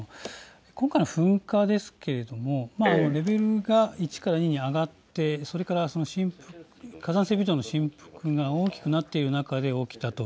今回の噴火ですがレベルが１から２に上がってそれから火山性微動の振幅が大きくなっている中で起きたと。